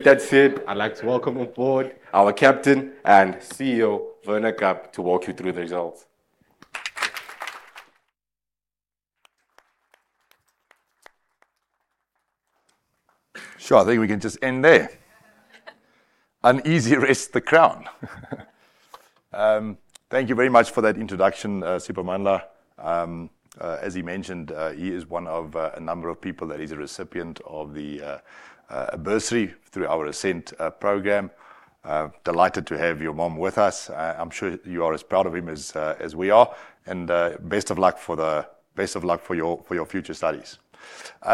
That's it. I'd like to welcome on board our Captain and CEO, Werner Kapp, to walk you through the results. Sure, I think we can just end there. An easy race to the crown. Thank you very much for that introduction, Supermanla. As he mentioned, he is one of a number of people that is a recipient of the bursary through our Ascent program. Delighted to have your mom with us. I'm sure you are as proud of him as we are. Best of luck for your future studies.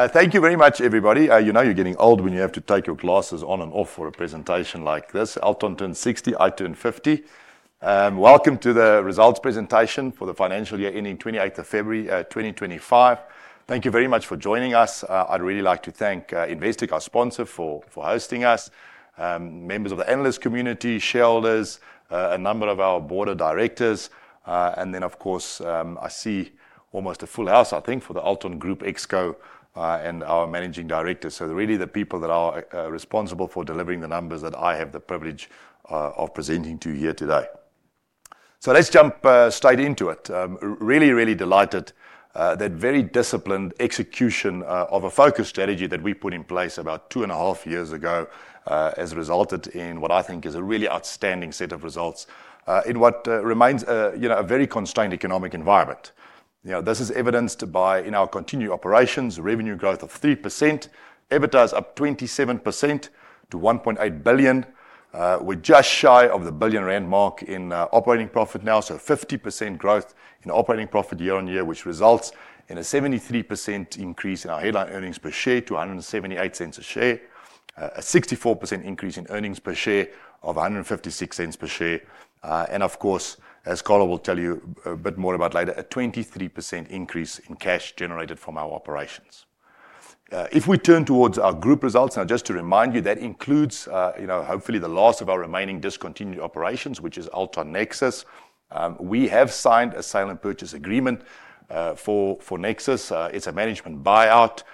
Thank you very much, everybody. You know you're getting old when you have to take your glasses on and off for a presentation like this. Altron turned 60, I turned 50. Welcome to the results presentation for the financial year ending 28th of February 2025. Thank you very much for joining us. I'd really like to thank Investec, our sponsor, for hosting us. Members of the analyst community, shareholders, a number of our board of directors. I see almost a full house, I think, for the Altron Group Exco and our Managing Director. Really the people that are responsible for delivering the numbers that I have the privilege of presenting to you here today. Let's jump straight into it. Really, really delighted that very disciplined execution of a focus strategy that we put in place about two and a half years ago has resulted in what I think is a really outstanding set of results in what remains a very constrained economic environment. This is evidenced by, in our continued operations, revenue growth of 3%, EBITDA is up 27% to 1.8 billion. We're just shy of the billion-rand mark in operating profit now, so 50% growth in operating profit year-on-year, which results in a 73% increase in our headline earnings per share to 1.78 a share, a 64% increase in earnings per share of 1.56 per share. Of course, as Carel will tell you a bit more about later, a 23% increase in cash generated from our operations. If we turn towards our group results, now just to remind you, that includes hopefully the loss of our remaining discontinued operations, which is Altron Nexus. We have signed a silent purchase agreement for Nexus. It's a management buyout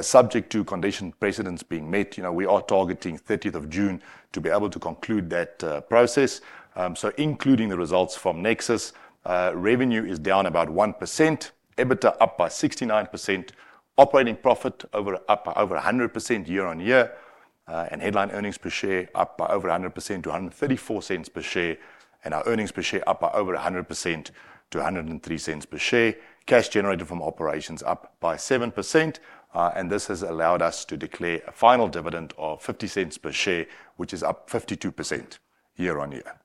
subject to condition precedents being met. We are targeting 30th of June to be able to conclude that process. Including the results from Nexus, revenue is down about 1%, EBITDA up by 69%, operating profit over 100% year-on-year, and headline earnings per share up by over 100% to 1.34 per share, and our earnings per share up by over 100% to 1.03 per share. Cash generated from operations up by 7%, and this has allowed us to declare a final dividend of 0.50 per share, which is up 52% year-on-year.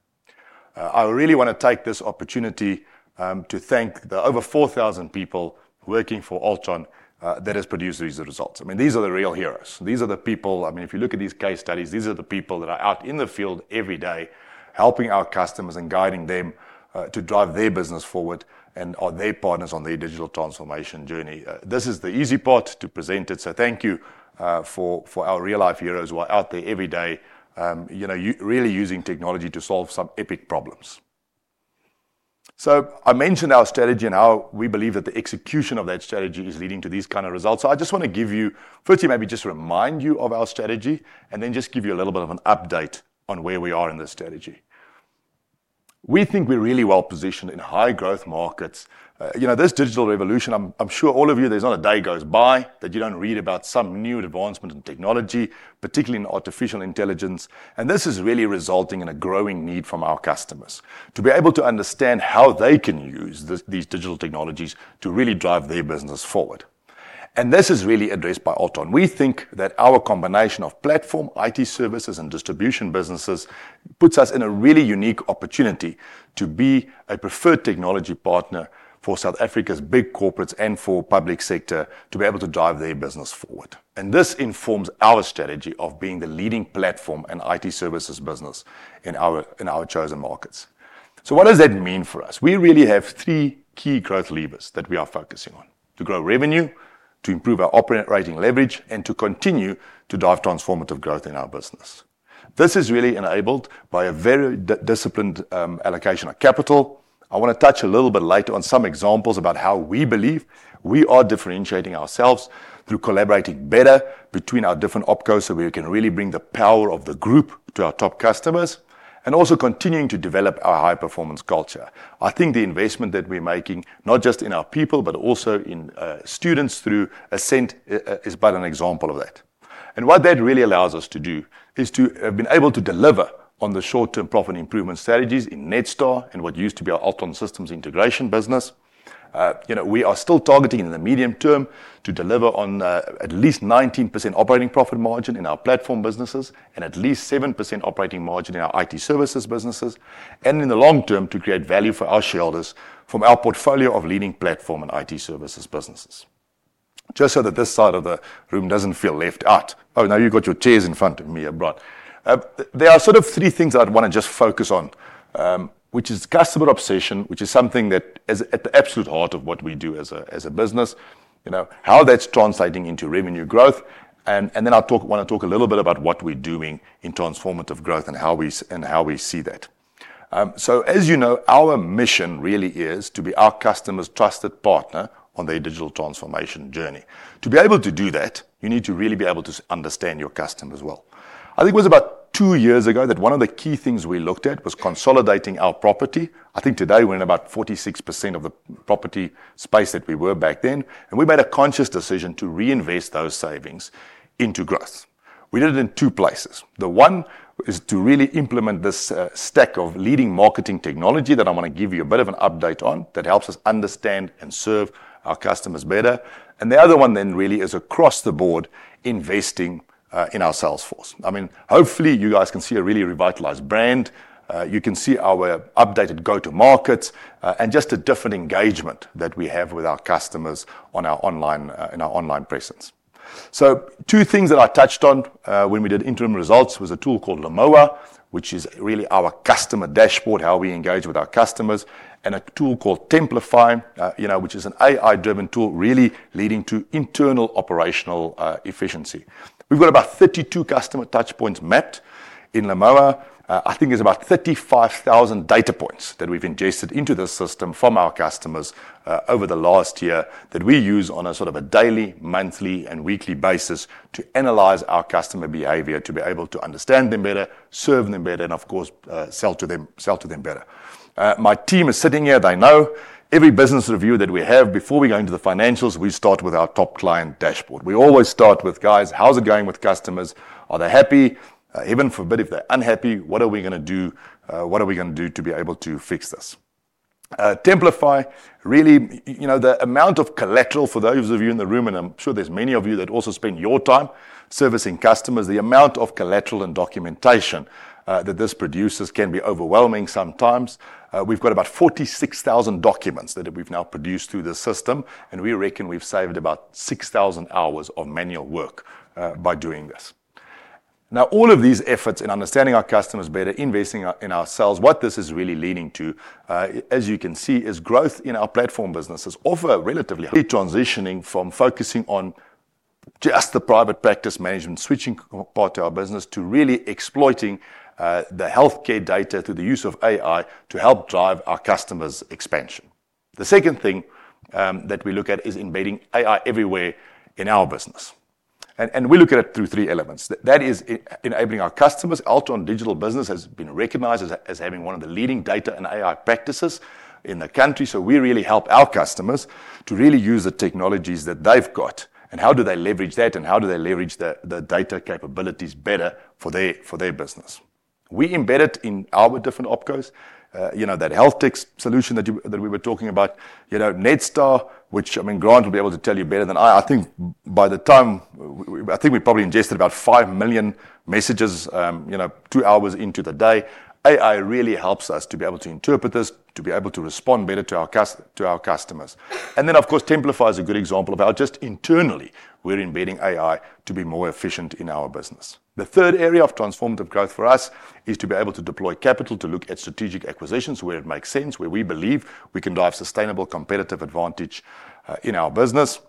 I really want to take this opportunity to thank the over 4,000 people working for Altron that has produced these results. I mean, these are the real heroes. These are the people, I mean, if you look at these case studies, these are the people that are out in the field every day helping our customers and guiding them to drive their business forward and are their partners on their digital transformation journey. This is the easy part to present it. Thank you for our real-life heroes who are out there every day, really using technology to solve some epic problems. I mentioned our strategy and how we believe that the execution of that strategy is leading to these kinds of results. I just want to give you, firstly, maybe just remind you of our strategy and then just give you a little bit of an update on where we are in this strategy. We think we're really well positioned in high-growth markets. This digital revolution, I'm sure all of you, there's not a day goes by that you don't read about some new advancement in technology, particularly in artificial intelligence. This is really resulting in a growing need from our customers to be able to understand how they can use these digital technologies to really drive their business forward. This is really addressed by Altron. We think that our combination of platform, IT services, and distribution businesses puts us in a really unique opportunity to be a preferred technology partner for South Africa's big corporates and for public sector to be able to drive their business forward. This informs our strategy of being the leading platform and IT services business in our chosen markets. What does that mean for us? We really have three key growth levers that we are focusing on: to grow revenue, to improve our operating leverage, and to continue to drive transformative growth in our business. This is really enabled by a very disciplined allocation of capital. I want to touch a little bit later on some examples about how we believe we are differentiating ourselves through collaborating better between our different opcos so we can really bring the power of the group to our top customers and also continuing to develop our high-performance culture. I think the investment that we're making, not just in our people, but also in students through Ascent, is but an example of that. What that really allows us to do is to have been able to deliver on the short-term profit improvement strategies in Netstar and what used to be our Altron Systems integration business. We are still targeting in the medium term to deliver on at least 19% operating profit margin in our platform businesses and at least 7% operating margin in our IT services businesses. In the long term, to create value for our shareholders from our portfolio of leading platform and IT services businesses. Just so that this side of the room does not feel left out. Oh, now you have got your chairs in front of me abroad. There are sort of three things I would want to just focus on, which is customer obsession, which is something that is at the absolute heart of what we do as a business, how that is translating into revenue growth. I want to talk a little bit about what we are doing in transformative growth and how we see that. As you know, our mission really is to be our customer's trusted partner on their digital transformation journey. To be able to do that, you need to really be able to understand your customer as well. I think it was about two years ago that one of the key things we looked at was consolidating our property. I think today we're in about 46% of the property space that we were back then. We made a conscious decision to reinvest those savings into growth. We did it in two places. The one is to really implement this stack of leading marketing technology that I want to give you a bit of an update on that helps us understand and serve our customers better. The other one then really is across the board investing in our sales force. I mean, hopefully you guys can see a really revitalized brand. You can see our updated go-to-markets and just a different engagement that we have with our customers in our online presence. Two things that I touched on when we did interim results was a tool called Lamoa, which is really our customer dashboard, how we engage with our customers, and a tool called Templify, which is an AI-driven tool really leading to internal operational efficiency. We have about 32 customer touchpoints mapped in Lamoa. I think there are about 35,000 data points that we have ingested into the system from our customers over the last year that we use on a daily, monthly, and weekly basis to analyze our customer behavior, to be able to understand them better, serve them better, and of course, sell to them better. My team is sitting here. They know every business review that we have before we go into the financials, we start with our top client dashboard. We always start with, "Guys, how's it going with customers? Are they happy? Even for a bit, if they're unhappy, what are we going to do? What are we going to do to be able to fix this?" Templify, really, the amount of collateral for those of you in the room, and I'm sure there's many of you that also spend your time servicing customers, the amount of collateral and documentation that this produces can be overwhelming sometimes. We've got about 46,000 documents that we've now produced through the system, and we reckon we've saved about 6,000 hours of manual work by doing this. Now, all of these efforts in understanding our customers better, investing in ourselves, what this is really leading to, as you can see, is growth in our platform businesses of a relatively transitioning from focusing on just the private practice management, switching part to our business to really exploiting the healthcare data through the use of AI to help drive our customers' expansion. The second thing that we look at is embedding AI everywhere in our business. We look at it through three elements. That is enabling our customers. Altron Digital Business has been recognized as having one of the leading data and AI practices in the country. We really help our customers to really use the technologies that they've got and how do they leverage that and how do they leverage the data capabilities better for their business. We embed it in our different opcos, that health tech solution that we were talking about, Netstar, which I mean, Grant will be able to tell you better than I. I think by the time I think we probably ingested about 5 million messages two hours into the day. AI really helps us to be able to interpret this, to be able to respond better to our customers. Of course, Templify is a good example of how just internally we're embedding AI to be more efficient in our business. The third area of transformative growth for us is to be able to deploy capital to look at strategic acquisitions where it makes sense, where we believe we can drive sustainable competitive advantage in our business.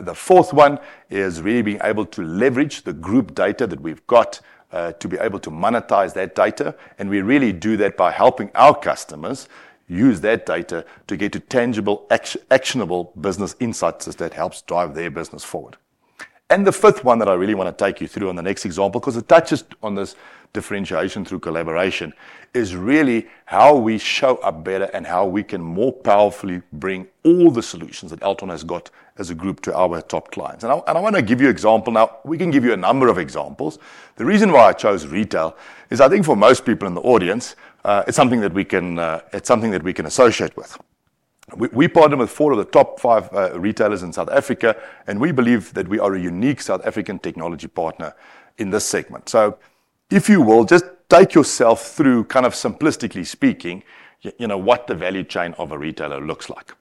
The fourth one is really being able to leverage the group data that we've got to be able to monetize that data. We really do that by helping our customers use that data to get to tangible, actionable business insights that helps drive their business forward. The fifth one that I really want to take you through on the next example, because it touches on this differentiation through collaboration, is really how we show up better and how we can more powerfully bring all the solutions that Altron has got as a group to our top clients. I want to give you an example. Now, we can give you a number of examples. The reason why I chose retail is I think for most people in the audience, it's something that we can associate with. We partner with four of the top five retailers in South Africa, and we believe that we are a unique South African technology partner in this segment. If you will, just take yourself through, kind of simplistically speaking, what the value chain of a retailer looks like.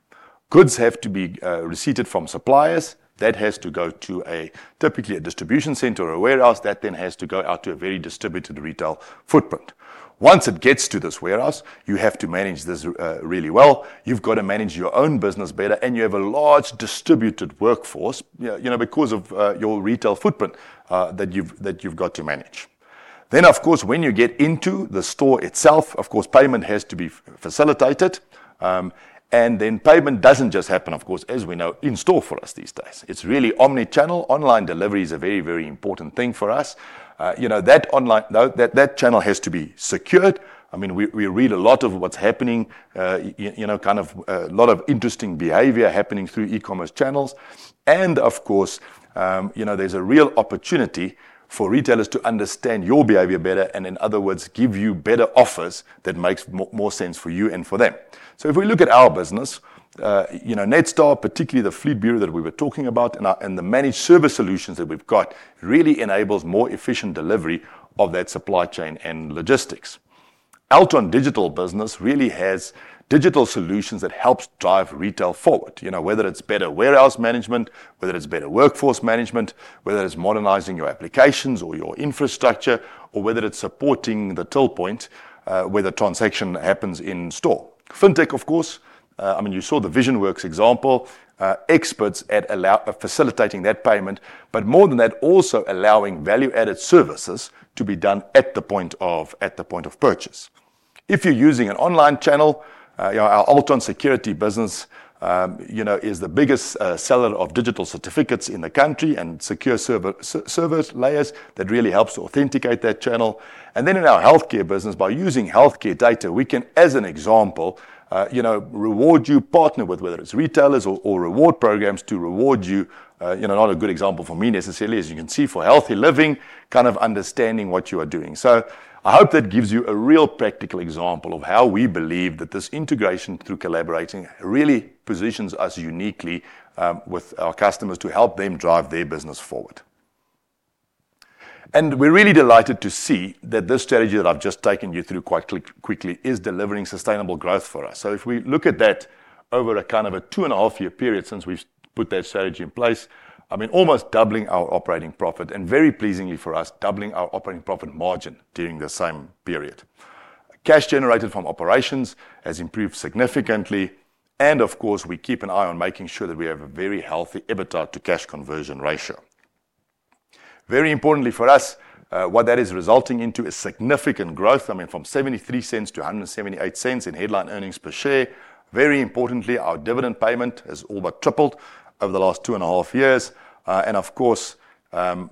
Goods have to be receipted from suppliers. That has to go to typically a distribution center or a warehouse. That then has to go out to a very distributed retail footprint. Once it gets to this warehouse, you have to manage this really well. You've got to manage your own business better, and you have a large distributed workforce because of your retail footprint that you've got to manage. Of course, when you get into the store itself, payment has to be facilitated. Payment does not just happen, as we know, in store for us these days. It's really omnichannel. Online delivery is a very, very important thing for us. That channel has to be secured. I mean, we read a lot of what's happening, kind of a lot of interesting behavior happening through e-commerce channels. Of course, there's a real opportunity for retailers to understand your behavior better and, in other words, give you better offers that make more sense for you and for them. If we look at our business, Netstar, particularly the Fleet Bureau that we were talking about and the managed service solutions that we've got, it really enables more efficient delivery of that supply chain and logistics. Altron Digital Business really has digital solutions that help drive retail forward, whether it's better warehouse management, whether it's better workforce management, whether it's modernizing your applications or your infrastructure, or whether it's supporting the till point where the transaction happens in store. FinTech, of course. I mean, you saw the Vision Works example, experts at facilitating that payment, but more than that, also allowing value-added services to be done at the point of purchase. If you're using an online channel, our Altron Security business is the biggest seller of digital certificates in the country and secure service layers that really helps authenticate that channel. In our healthcare business, by using healthcare data, we can, as an example, reward you, partner with whether it's retailers or reward programs to reward you. Not a good example for me necessarily, as you can see, for Healthy Living, kind of understanding what you are doing. I hope that gives you a real practical example of how we believe that this integration through collaborating really positions us uniquely with our customers to help them drive their business forward. We're really delighted to see that this strategy that I've just taken you through quite quickly is delivering sustainable growth for us. If we look at that over a kind of a two-and-a-half year period since we've put that strategy in place, I mean, almost doubling our operating profit and, very pleasingly for us, doubling our operating profit margin during the same period. Cash generated from operations has improved significantly. Of course, we keep an eye on making sure that we have a very healthy EBITDA to cash conversion ratio. Very importantly for us, what that is resulting into is significant growth. I mean, from 0.73 to 1.78 in headline earnings per share. Very importantly, our dividend payment has all but tripled over the last two-and-a-half years. Of course,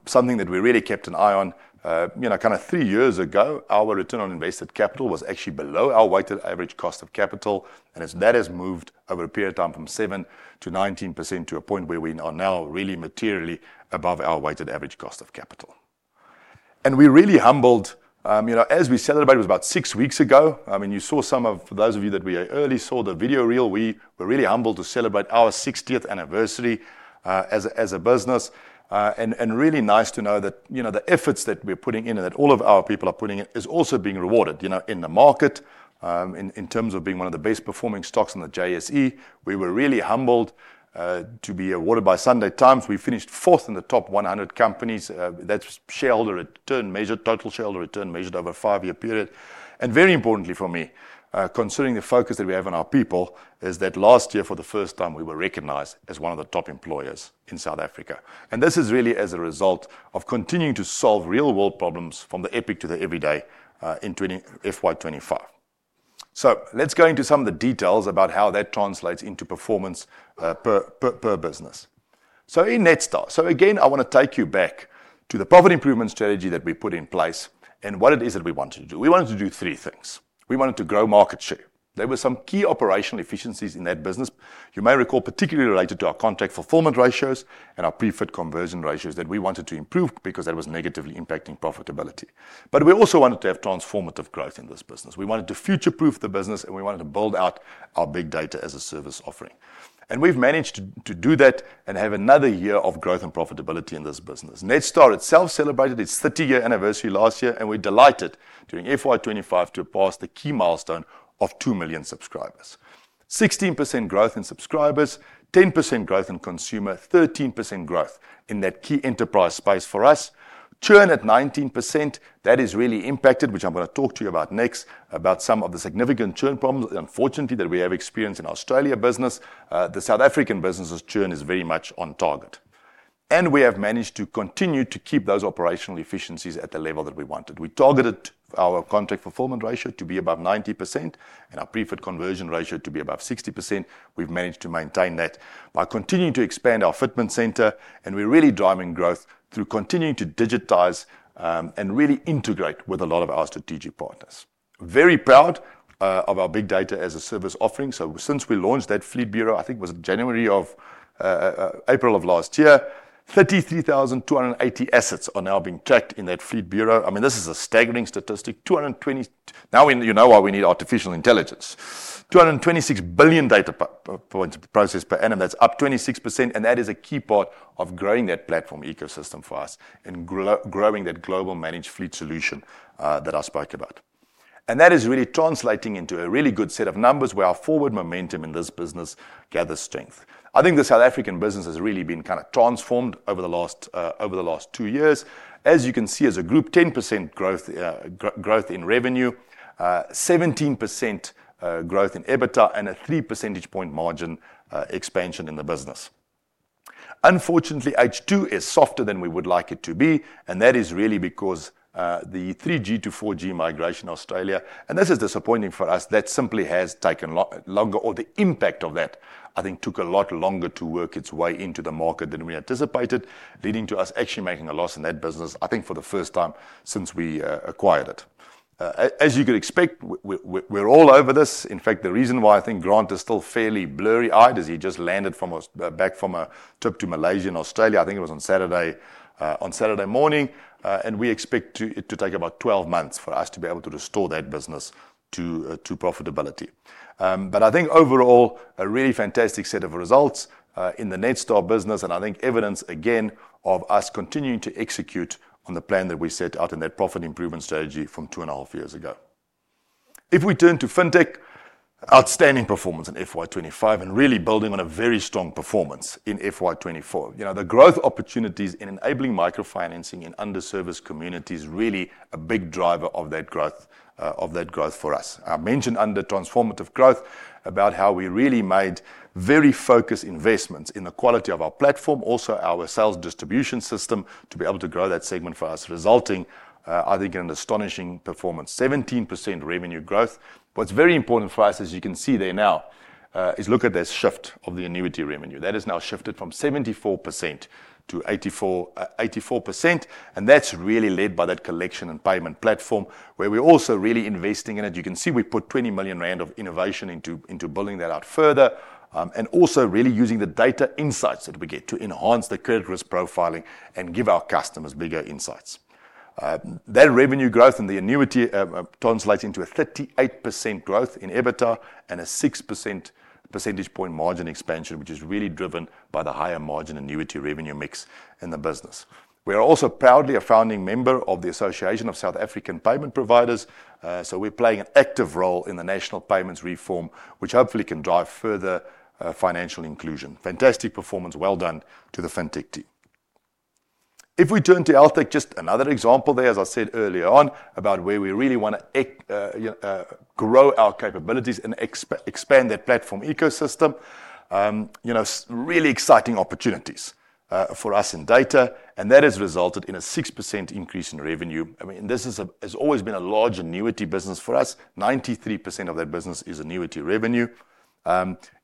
something that we really kept an eye on, kind of three years ago, our return on invested capital was actually below our weighted average cost of capital. That has moved over a period of time from 7%-19% to a point where we are now really materially above our weighted average cost of capital. We really humbled, as we celebrated, it was about six weeks ago. I mean, you saw some of those of you that we early saw the video reel. We were really humbled to celebrate our 60th anniversary as a business. Really nice to know that the efforts that we're putting in and that all of our people are putting in is also being rewarded in the market in terms of being one of the best-performing stocks on the JSE. We were really humbled to be awarded by Sunday Times. We finished fourth in the top 100 companies. That's total shareholder return measured over a five-year period. Very importantly for me, considering the focus that we have on our people, is that last year, for the first time, we were recognized as one of the top employers in South Africa. This is really as a result of continuing to solve real-world problems from the epic to the everyday in FY25. Let's go into some of the details about how that translates into performance per business. In Netstar, I want to take you back to the profit improvement strategy that we put in place and what it is that we wanted to do. We wanted to do three things. We wanted to grow market share. There were some key operational efficiencies in that business. You may recall, particularly related to our contract fulfillment ratios and our prefit conversion ratios that we wanted to improve because that was negatively impacting profitability. We also wanted to have transformative growth in this business. We wanted to future-proof the business, and we wanted to build out our Big Data as a Service offering. We have managed to do that and have another year of growth and profitability in this business. Netstar itself celebrated its 30-year anniversary last year, and we are delighted during FY25 to pass the key milestone of 2 million subscribers. 16% growth in subscribers, 10% growth in consumer, 13% growth in that key enterprise space for us. Churn at 19%. That is really impacted, which I am going to talk to you about next, about some of the significant churn problems, unfortunately, that we have experienced in Australia business. The South African business's churn is very much on target. We have managed to continue to keep those operational efficiencies at the level that we wanted. We targeted our contract fulfillment ratio to be above 90% and our prefit conversion ratio to be above 60%. We've managed to maintain that by continuing to expand our fitment center, and we're really driving growth through continuing to digitize and really integrate with a lot of our strategic partners. Very proud of our Big Data as a Service offering. Since we launched that Fleet Bureau, I think it was in January or April of last year, 33,280 assets are now being checked in that Fleet Bureau. I mean, this is a staggering statistic. Now you know why we need artificial intelligence. 226 billion data points processed per annum. That's up 26%, and that is a key part of growing that platform ecosystem for us and growing that global managed fleet solution that I spoke about. That is really translating into a really good set of numbers where our forward momentum in this business gathers strength. I think the South African business has really been kind of transformed over the last two years. As you can see, as a group, 10% growth in revenue, 17% growth in EBITDA, and a 3 percentage point margin expansion in the business. Unfortunately, H2 is softer than we would like it to be, and that is really because the 3G to 4G migration in Australia, and this is disappointing for us, that simply has taken longer, or the impact of that, I think, took a lot longer to work its way into the market than we anticipated, leading to us actually making a loss in that business, I think, for the first time since we acquired it. As you could expect, we're all over this. In fact, the reason why I think Grant is still fairly blurry-eyed is he just landed back from a trip to Malaysia and Australia. I think it was on Saturday morning, and we expect it to take about 12 months for us to be able to restore that business to profitability. I think overall, a really fantastic set of results in the Netstar business, and I think evidence, again, of us continuing to execute on the plan that we set out in that profit improvement strategy from two-and-a-half years ago. If we turn to FinTech, outstanding performance in FY25 and really building on a very strong performance in FY24. The growth opportunities in enabling microfinancing in underserviced communities is really a big driver of that growth for us. I mentioned under transformative growth about how we really made very focused investments in the quality of our platform, also our sales distribution system to be able to grow that segment for us, resulting, I think, in an astonishing performance, 17% revenue growth. What's very important for us, as you can see there now, is look at this shift of the annuity revenue. That has now shifted from 74%-84%, and that's really led by that collection and payment platform where we're also really investing in it. You can see we put 20 million rand of innovation into building that out further and also really using the data insights that we get to enhance the credit risk profiling and give our customers bigger insights. That revenue growth in the annuity translates into a 38% growth in EBITDA and a six percentage point margin expansion, which is really driven by the higher margin annuity revenue mix in the business. We are also proudly a founding member of the Association of South African Payment Providers, so we're playing an active role in the national payments reform, which hopefully can drive further financial inclusion. Fantastic performance, well done to the FinTech team. If we turn to Altron, just another example there, as I said earlier on, about where we really want to grow our capabilities and expand that platform ecosystem, really exciting opportunities for us in data, and that has resulted in a 6% increase in revenue. I mean, this has always been a large annuity business for us. 93% of that business is annuity revenue.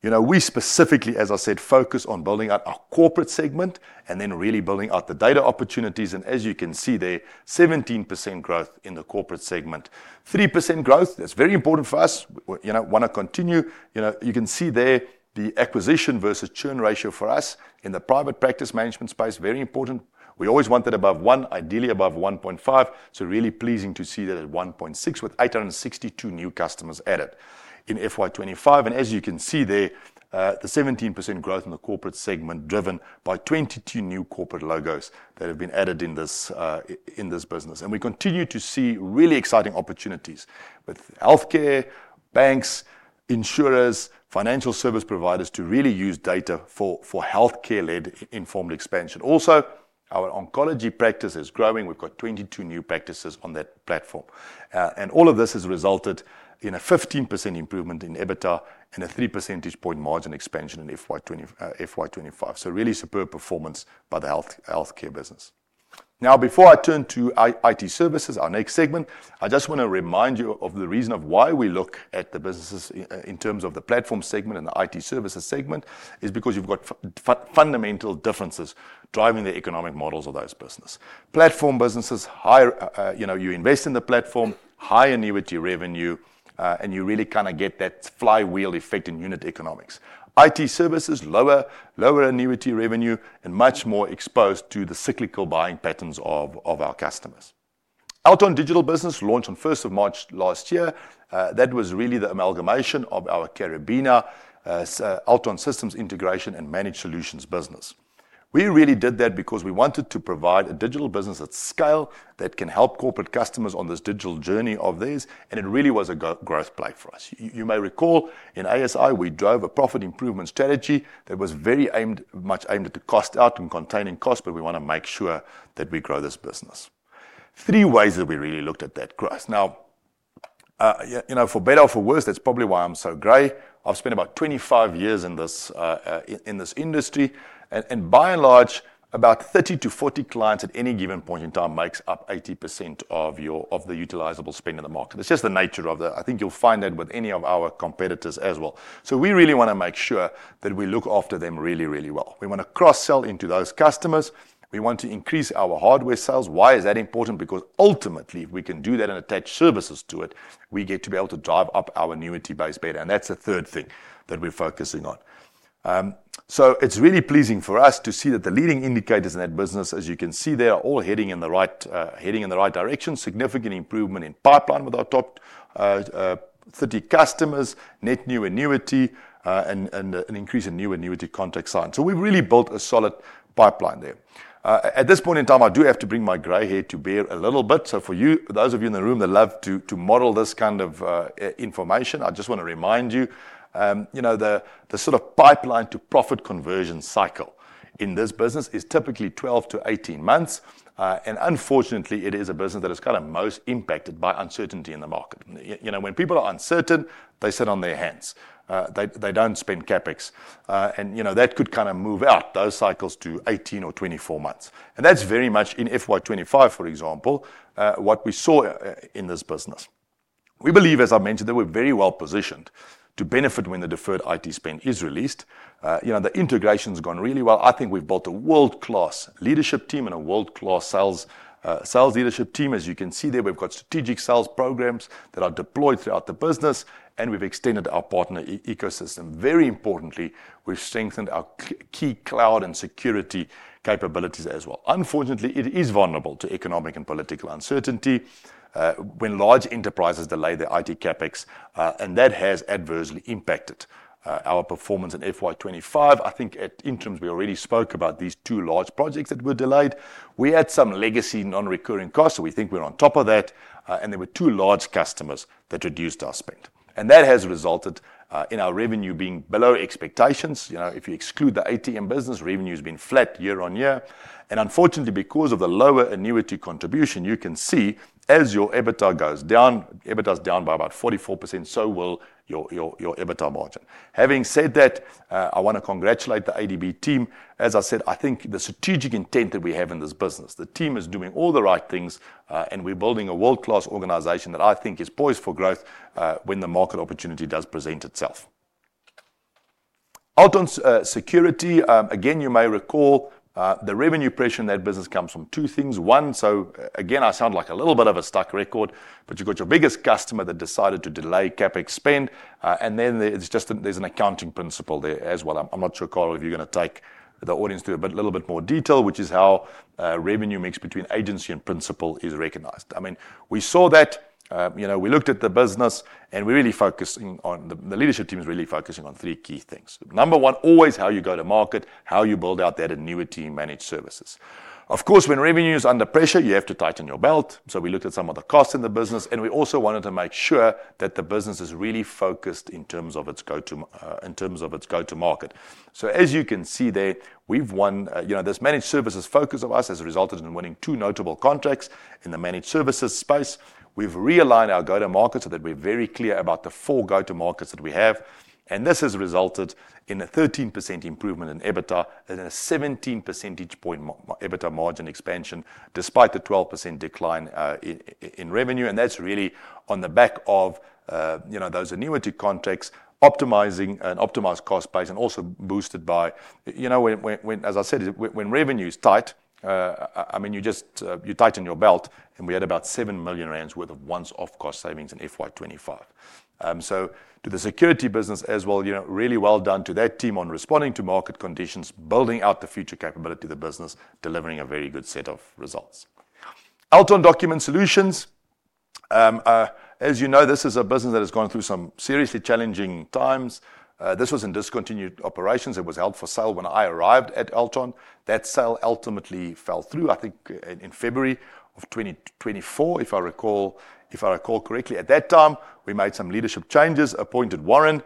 We specifically, as I said, focus on building out our corporate segment and then really building out the data opportunities. And as you can see there, 17% growth in the corporate segment, 3% growth. That's very important for us. Want to continue. You can see there the acquisition versus churn ratio for us in the private practice management space, very important. We always want that above one, ideally above 1.5%. So really pleasing to see that at 1.6% with 862 new customers added in FY25. As you can see there, the 17% growth in the corporate segment is driven by 22 new corporate logos that have been added in this business. We continue to see really exciting opportunities with healthcare, banks, insurers, financial service providers to really use data for healthcare-led informed expansion. Also, our oncology practice is growing. We have 22 new practices on that platform. All of this has resulted in a 15% improvement in EBITDA and a 3 percentage point margin expansion in FY25. Really superb performance by the healthcare business. Now, before I turn to IT services, our next segment, I just want to remind you of the reason why we look at the businesses in terms of the platform segment and the IT services segment is because you have fundamental differences driving the economic models of those businesses. Platform businesses, you invest in the platform, high annuity revenue, and you really kind of get that flywheel effect in unit economics. IT services, lower annuity revenue and much more exposed to the cyclical buying patterns of our customers. Altron Digital Business launched on 1st of March last year. That was really the amalgamation of our Caribena Altron Systems integration and managed solutions business. We really did that because we wanted to provide a digital business at scale that can help corporate customers on this digital journey of theirs, and it really was a growth play for us. You may recall in ASI, we drove a profit improvement strategy that was very much aimed at the cost out and containing cost, but we want to make sure that we grow this business. Three ways that we really looked at that growth. Now, for better or for worse, that's probably why I'm so gray. I've spent about 25 years in this industry, and by and large, about 30-40 clients at any given point in time makes up 80% of the utilizable spend in the market. It's just the nature of the, I think you'll find that with any of our competitors as well. We really want to make sure that we look after them really, really well. We want to cross-sell into those customers. We want to increase our hardware sales. Why is that important? Because ultimately, if we can do that and attach services to it, we get to be able to drive up our annuity base better. That's the third thing that we're focusing on. It's really pleasing for us to see that the leading indicators in that business, as you can see, they are all heading in the right direction. Significant improvement in pipeline with our top 30 customers, net new annuity, and an increase in new annuity contract sign. We've really built a solid pipeline there. At this point in time, I do have to bring my gray hair to bear a little bit. For those of you in the room that love to model this kind of information, I just want to remind you the sort of pipeline to profit conversion cycle in this business is typically 12-18 months. Unfortunately, it is a business that is kind of most impacted by uncertainty in the market. When people are uncertain, they sit on their hands. They don't spend CapEx. That could kind of move out those cycles to 18 or 24 months. That is very much in FY25, for example, what we saw in this business. We believe, as I mentioned, that we are very well positioned to benefit when the deferred IT spend is released. The integration has gone really well. I think we have built a world-class leadership team and a world-class sales leadership team. As you can see there, we have strategic sales programs that are deployed throughout the business, and we have extended our partner ecosystem. Very importantly, we have strengthened our key cloud and security capabilities as well. Unfortunately, it is vulnerable to economic and political uncertainty when large enterprises delay their IT CapEx, and that has adversely impacted our performance in FY25. I think at interims, we already spoke about these two large projects that were delayed. We had some legacy non-recurring costs, so we think we're on top of that. There were two large customers that reduced our spend. That has resulted in our revenue being below expectations. If you exclude the ATM business, revenue has been flat year-on-year. Unfortunately, because of the lower annuity contribution, you can see as your EBITDA goes down, EBITDA is down by about 44%, so will your EBITDA margin. Having said that, I want to congratulate the ADB team. As I said, I think the strategic intent that we have in this business, the team is doing all the right things, and we're building a world-class organization that I think is poised for growth when the market opportunity does present itself. Altron Security, again, you may recall the revenue pressure in that business comes from two things. One, so again, I sound like a little bit of a stuck record, but you've got your biggest customer that decided to delay CapEx spend. There is an accounting principle there as well. I'm not sure, Carl, if you're going to take the audience to a little bit more detail, which is how revenue mix between agency and principal is recognized. I mean, we saw that. We looked at the business, and we're really focusing on, the leadership team is really focusing on three key things. Number one, always how you go to market, how you build out that annuity managed services. Of course, when revenue is under pressure, you have to tighten your belt. We looked at some of the costs in the business, and we also wanted to make sure that the business is really focused in terms of its go-to market. As you can see there, we've won this managed services focus of ours has resulted in winning two notable contracts in the managed services space. We've realigned our go-to-market so that we're very clear about the four go-to-markets that we have. This has resulted in a 13% improvement in EBITDA and a 17 percentage point EBITDA margin expansion despite the 12% decline in revenue. That's really on the back of those annuity contracts, an optimized cost base, and also boosted by, as I said, when revenue is tight, I mean, you tighten your belt, and we had about 7 million rand worth of once-off cost savings in FY2025. To the security business as well, really well done to that team on responding to market conditions, building out the future capability of the business, delivering a very good set of results. Altron Document Solutions. As you know, this is a business that has gone through some seriously challenging times. This was in discontinued operations. It was held for sale when I arrived at Altron. That sale ultimately fell through, I think, in February of 2024, if I recall correctly. At that time, we made some leadership changes, appointed Warren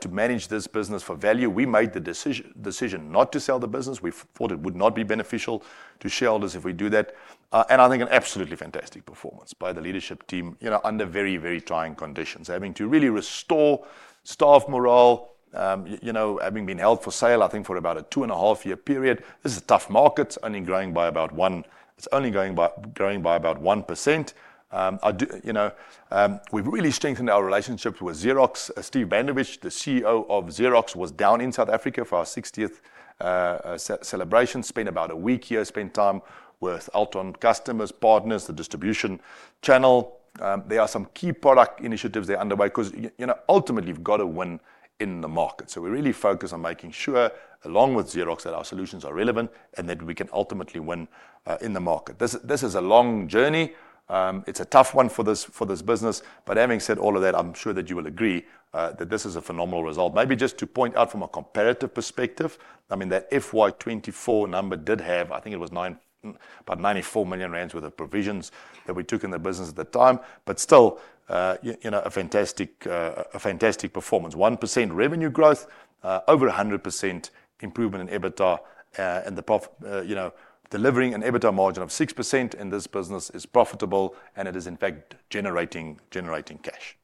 to manage this business for value. We made the decision not to sell the business. We thought it would not be beneficial to shareholders if we do that. I think an absolutely fantastic performance by the leadership team under very, very trying conditions, having to really restore staff morale, having been held for sale, I think, for about a two-and-a-half-year period. This is a tough market. It's only growing by about one; it's only growing by about 1%. We've really strengthened our relationship with Xerox. Steve Bandovich, the CEO of Xerox, was down in South Africa for our 60th celebration, spent about a week here, spent time with Altron customers, partners, the distribution channel. There are some key product initiatives they underway because ultimately, you've got to win in the market. So we really focus on making sure, along with Xerox, that our solutions are relevant and that we can ultimately win in the market. This is a long journey. It's a tough one for this business. Having said all of that, I'm sure that you will agree that this is a phenomenal result. Maybe just to point out from a comparative perspective, I mean, that FY2024 number did have, I think it was about 94 million rand worth of provisions that we took in the business at the time, but still a fantastic performance. 1% revenue growth, over 100% improvement in EBITDA, and delivering an EBITDA margin of 6% in this business is profitable, and it is, in fact, generating cash.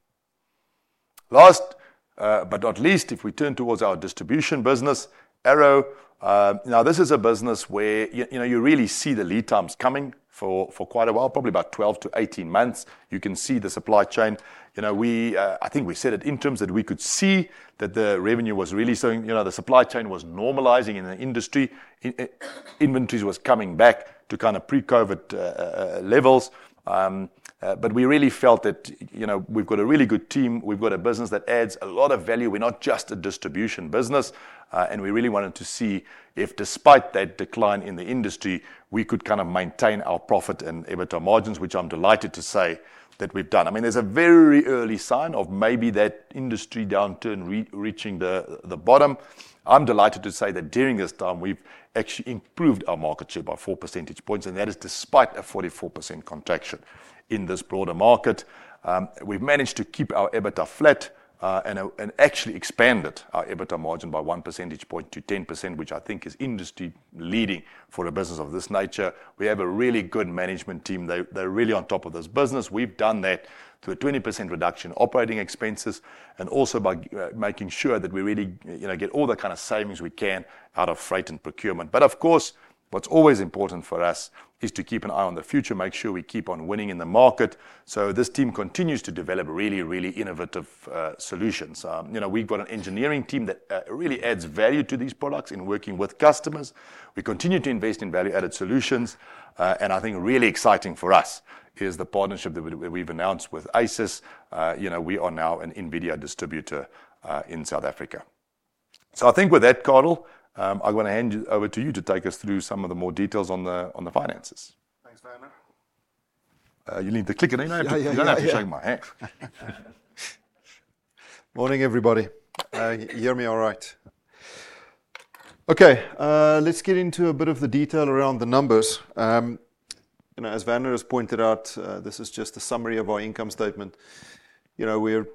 Last but not least, if we turn towards our distribution business, Arrow. Now, this is a business where you really see the lead times coming for quite a while, probably about 12-18 months. You can see the supply chain. I think we said at interims that we could see that the revenue was really slowing. The supply chain was normalizing in the industry. Inventories were coming back to kind of pre-COVID levels. We really felt that we've got a really good team. We've got a business that adds a lot of value. We're not just a distribution business. We really wanted to see if, despite that decline in the industry, we could kind of maintain our profit and EBITDA margins, which I am delighted to say that we have done. I mean, there is a very early sign of maybe that industry downturn reaching the bottom. I am delighted to say that during this time, we have actually improved our market share by 4 percentage points. That is despite a 44% contraction in this broader market. We have managed to keep our EBITDA flat and actually expanded our EBITDA margin by 1 percentage point to 10%, which I think is industry-leading for a business of this nature. We have a really good management team. They are really on top of this business. We have done that through a 20% reduction in operating expenses and also by making sure that we really get all the kind of savings we can out of freight and procurement. Of course, what's always important for us is to keep an eye on the future, make sure we keep on winning in the market. This team continues to develop really, really innovative solutions. We've got an engineering team that really adds value to these products in working with customers. We continue to invest in value-added solutions. I think really exciting for us is the partnership that we've announced with ASUS. We are now an NVIDIA distributor in South Africa. I think with that, Carel, I'm going to hand over to you to take us through some of the more details on the finances. Thanks, Werner. You need to click it. Yeah, yeah, yeah. You don't have to shake my hand. Morning, everybody. You hear me all right? Okay. Let's get into a bit of the detail around the numbers. As Werner has pointed out, this is just a summary of our income statement. We're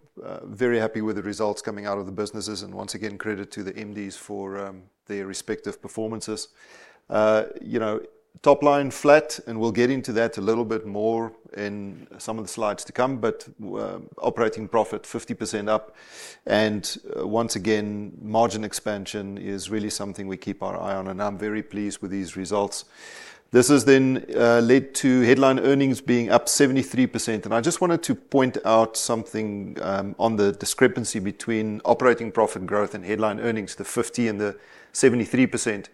very happy with the results coming out of the businesses, and once again, credit to the MDs for their respective performances. Top line flat, and we'll get into that a little bit more in some of the slides to come, but operating profit 50% up. Once again, margin expansion is really something we keep our eye on, and I'm very pleased with these results. This has then led to headline earnings being up 73%. I just wanted to point out something on the discrepancy between operating profit growth and headline earnings, the 50 and the 73%.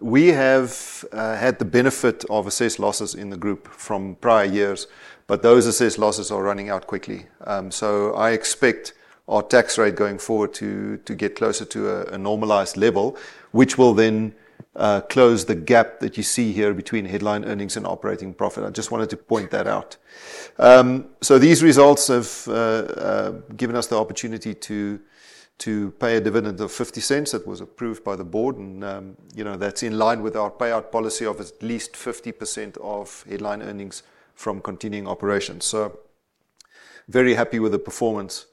We have had the benefit of assessed losses in the group from prior years, but those assessed losses are running out quickly. I expect our tax rate going forward to get closer to a normalized level, which will then close the gap that you see here between headline earnings and operating profit. I just wanted to point that out. These results have given us the opportunity to pay a dividend of 0.50 that was approved by the board. That's in line with our payout policy of at least 50% of headline earnings from continuing operations. Very happy with the performance.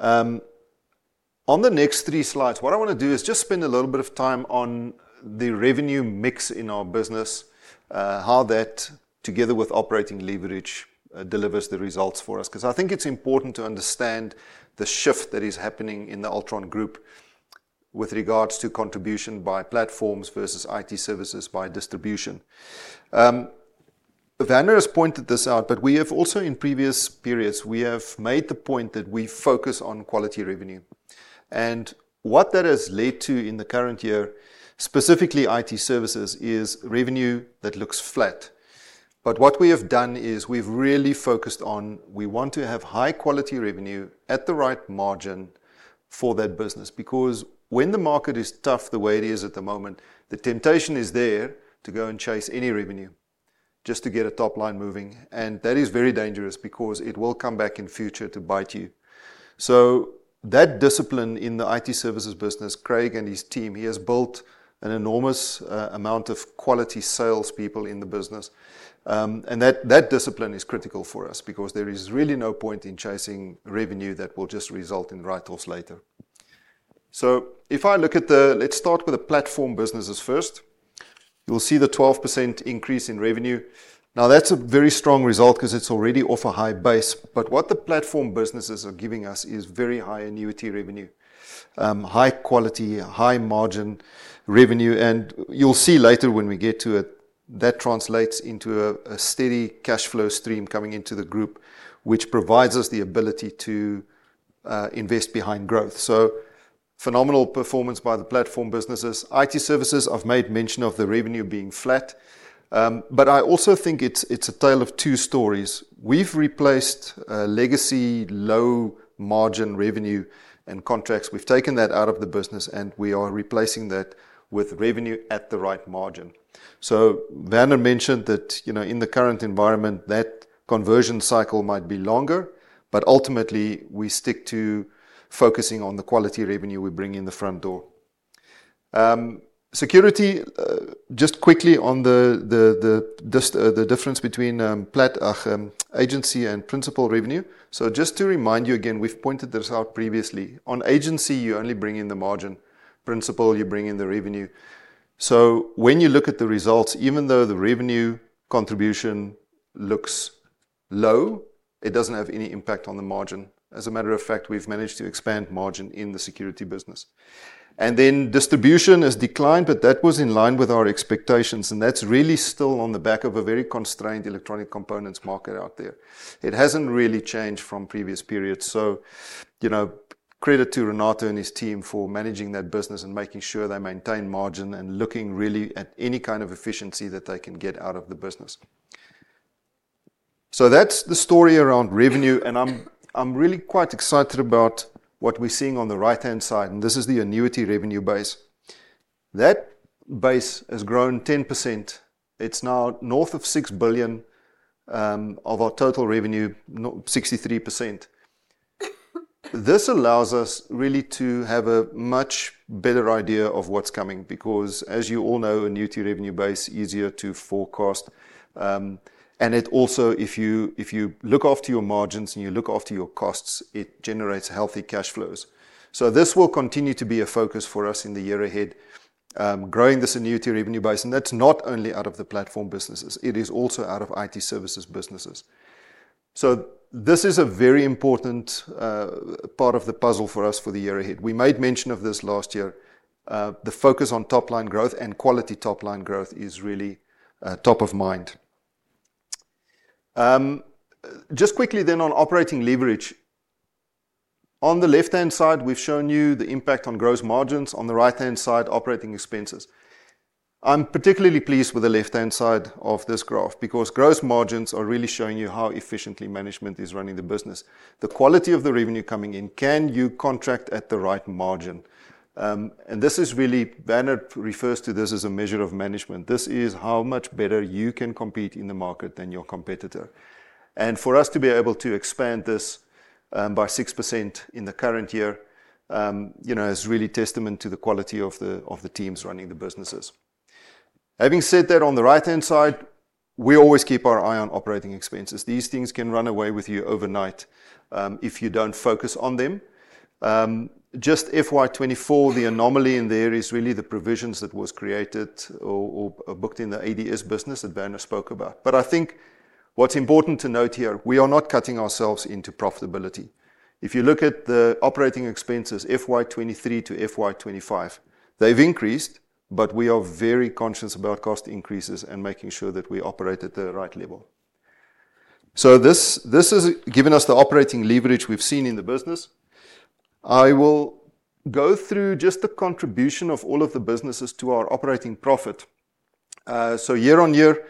On the next three slides, what I want to do is just spend a little bit of time on the revenue mix in our business, how that, together with operating leverage, delivers the results for us. I think it's important to understand the shift that is happening in the Altron Group with regards to contribution by platforms versus IT services by distribution. Werner has pointed this out, but we have also, in previous periods, we have made the point that we focus on quality revenue. What that has led to in the current year, specifically IT services, is revenue that looks flat. What we have done is we've really focused on we want to have high-quality revenue at the right margin for that business. Because when the market is tough the way it is at the moment, the temptation is there to go and chase any revenue just to get a top line moving. That is very dangerous because it will come back in future to bite you. That discipline in the IT services business, Craig and his team, he has built an enormous amount of quality salespeople in the business. That discipline is critical for us because there is really no point in chasing revenue that will just result in write-offs later. If I look at the, let's start with the platform businesses first. You'll see the 12% increase in revenue. Now, that's a very strong result because it's already off a high base. What the platform businesses are giving us is very high annuity revenue, high quality, high margin revenue. You'll see later when we get to it, that translates into a steady cash flow stream coming into the group, which provides us the ability to invest behind growth. Phenomenal performance by the platform businesses. IT services, I've made mention of the revenue being flat. I also think it's a tale of two stories. We've replaced legacy low-margin revenue and contracts. We've taken that out of the business, and we are replacing that with revenue at the right margin. Werner mentioned that in the current environment, that conversion cycle might be longer, but ultimately, we stick to focusing on the quality revenue we bring in the front door. Security, just quickly on the difference between platform agency and principal revenue. Just to remind you again, we've pointed this out previously. On agency, you only bring in the margin. Principal, you bring in the revenue. When you look at the results, even though the revenue contribution looks low, it does not have any impact on the margin. As a matter of fact, we've managed to expand margin in the security business. Distribution has declined, but that was in line with our expectations. That is really still on the back of a very constrained electronic components market out there. It has not really changed from previous periods. Credit to Renato and his team for managing that business and making sure they maintain margin and looking really at any kind of efficiency that they can get out of the business. That is the story around revenue. I am really quite excited about what we are seeing on the right-hand side. This is the annuity revenue base. That base has grown 10%. It is now north of 6 billion of our total revenue, 63%. This allows us to have a much better idea of what is coming because, as you all know, annuity revenue base is easier to forecast. Also, if you look after your margins and you look after your costs, it generates healthy cash flows. This will continue to be a focus for us in the year ahead, growing this annuity revenue base. That is not only out of the platform businesses. It is also out of IT services businesses. This is a very important part of the puzzle for us for the year ahead. We made mention of this last year. The focus on top line growth and quality top line growth is really top of mind. Just quickly then on operating leverage. On the left-hand side, we have shown you the impact on gross margins. On the right-hand side, operating expenses. I am particularly pleased with the left-hand side of this graph because gross margins are really showing you how efficiently management is running the business. The quality of the revenue coming in, can you contract at the right margin? This is really, Werner refers to this as a measure of management. This is how much better you can compete in the market than your competitor. For us to be able to expand this by 6% in the current year is really testament to the quality of the teams running the businesses. Having said that, on the right-hand side, we always keep our eye on operating expenses. These things can run away with you overnight if you do not focus on them. Just FY2024, the anomaly in there is really the provisions that were created or booked in the ADS business that Werner spoke about. I think what is important to note here, we are not cutting ourselves into profitability. If you look at the operating expenses, FY2023 to FY2025, they have increased, but we are very conscious about cost increases and making sure that we operate at the right level. This has given us the operating leverage we have seen in the business. I will go through just the contribution of all of the businesses to our operating profit. Year-on-year,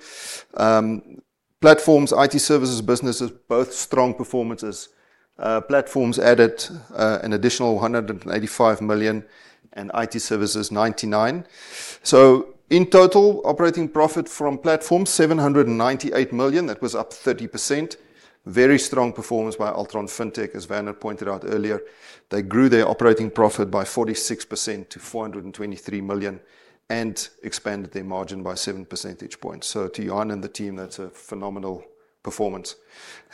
platforms, IT services businesses, both strong performances. Platforms added an additional 185 million and IT services 99 million. In total, operating profit from platforms, 798 million. That was up 30%. Very strong performance by Altron FinTech, as Werner pointed out earlier. They grew their operating profit by 46% to 423 million and expanded their margin by 7 percentage points. To you and the team, that's a phenomenal performance.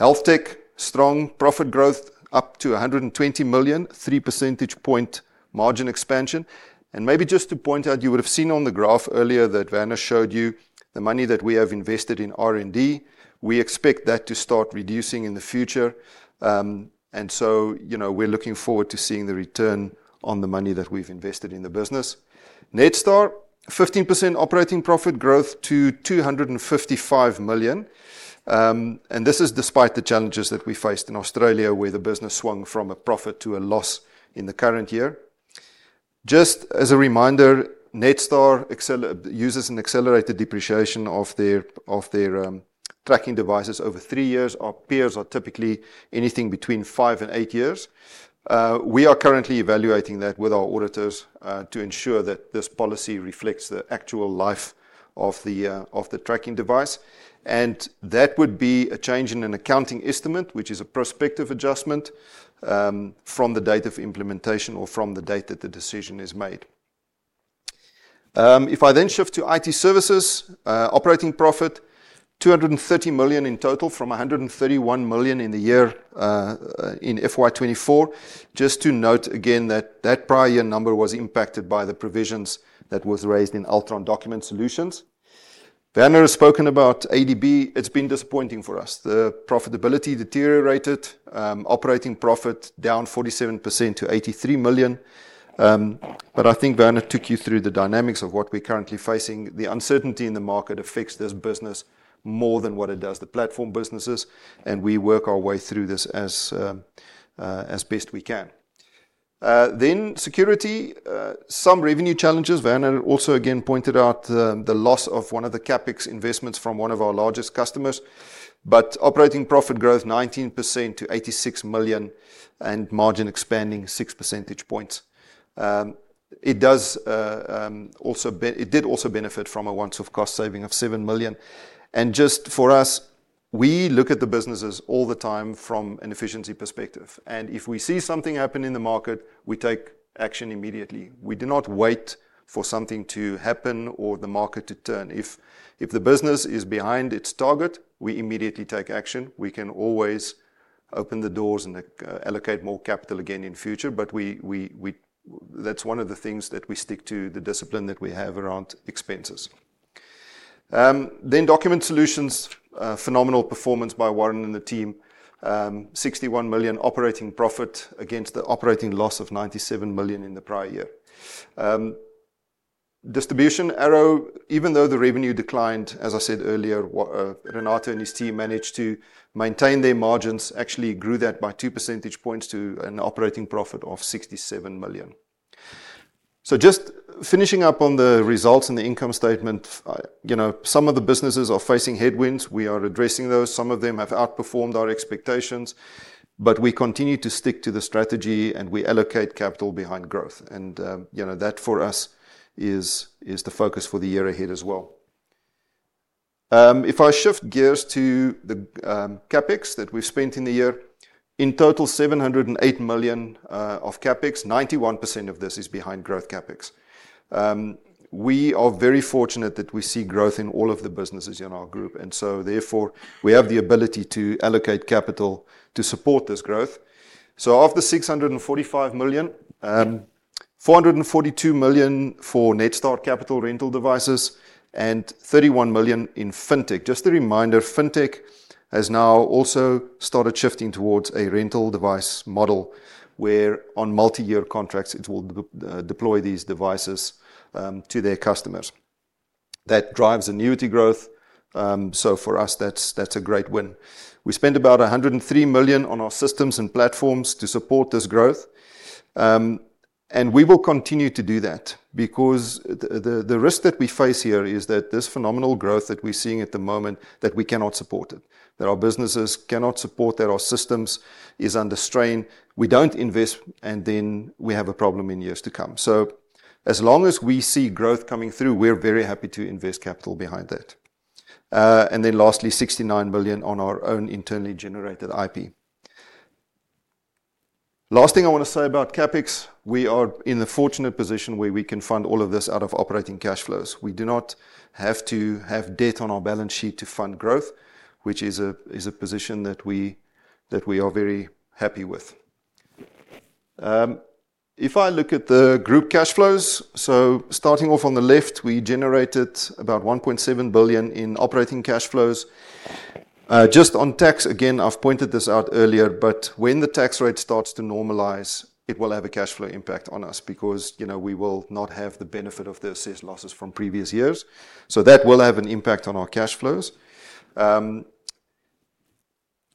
HealthTech, strong profit growth, up to 120 million, 3 percentage point margin expansion. Maybe just to point out, you would have seen on the graph earlier that Werner showed you the money that we have invested in R&D. We expect that to start reducing in the future. We're looking forward to seeing the return on the money that we've invested in the business. Netstar, 15% operating profit growth to 255 million. This is despite the challenges that we faced in Australia where the business swung from a profit to a loss in the current year. Just as a reminder, Netstar uses an accelerated depreciation of their tracking devices over three years. Our peers are typically anything between five and eight years. We are currently evaluating that with our auditors to ensure that this policy reflects the actual life of the tracking device. That would be a change in an accounting estimate, which is a prospective adjustment from the date of implementation or from the date that the decision is made. If I then shift to IT services, operating profit, 230 million in total from 131 million in the year in FY2024. Just to note again that that prior year number was impacted by the provisions that were raised in Altron Document Solutions. Werner has spoken about ADB. It's been disappointing for us. The profitability deteriorated. Operating profit down 47% to 83 million. I think Werner took you through the dynamics of what we're currently facing. The uncertainty in the market affects this business more than what it does the platform businesses. We work our way through this as best we can. Security, some revenue challenges. Werner also again pointed out the loss of one of the CapEx investments from one of our largest customers. Operating profit growth 19% to 86 million and margin expanding 6 percentage points. It did also benefit from a once-off cost saving of 7 million. Just for us, we look at the businesses all the time from an efficiency perspective. If we see something happen in the market, we take action immediately. We do not wait for something to happen or the market to turn. If the business is behind its target, we immediately take action. We can always open the doors and allocate more capital again in future. That is one of the things that we stick to, the discipline that we have around expenses. Document Solutions, phenomenal performance by Warren and the team, 61 million operating profit against the operating loss of 97 million in the prior year. Distribution Arrow, even though the revenue declined, as I said earlier, Renato and his team managed to maintain their margins, actually grew that by 2 percentage points to an operating profit of 67 million. Just finishing up on the results in the income statement, some of the businesses are facing headwinds. We are addressing those. Some of them have outperformed our expectations. We continue to stick to the strategy and we allocate capital behind growth. That for us is the focus for the year ahead as well. If I shift gears to the CapEx that we've spent in the year, in total, 708 million of CapEx, 91% of this is behind growth CapEx. We are very fortunate that we see growth in all of the businesses in our group. Therefore, we have the ability to allocate capital to support this growth. Of the 645 million, 442 million for Netstar Capital Rental Devices and 31 million in FinTech. Just a reminder, FinTech has now also started shifting towards a rental device model where on multi-year contracts, it will deploy these devices to their customers. That drives annuity growth. For us, that's a great win. We spent about 103 million on our systems and platforms to support this growth. We will continue to do that because the risk that we face here is that this phenomenal growth that we're seeing at the moment, that we cannot support it, that our businesses cannot support, that our systems are under strain. We do not invest, and then we have a problem in years to come. As long as we see growth coming through, we're very happy to invest capital behind that. Lastly, 69 million on our own internally generated IP. Last thing I want to say about CapEx, we are in the fortunate position where we can fund all of this out of operating cash flows. We do not have to have debt on our balance sheet to fund growth, which is a position that we are very happy with. If I look at the group cash flows, starting off on the left, we generated about 1.7 billion in operating cash flows. Just on tax, again, I have pointed this out earlier, but when the tax rate starts to normalize, it will have a cash flow impact on us because we will not have the benefit of the assessed losses from previous years. That will have an impact on our cash flows.